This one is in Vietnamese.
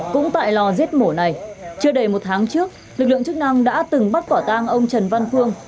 cũng tại lò giết mổ này chưa đầy một tháng trước lực lượng chức năng đã từng bắt quả tang ông trần văn phương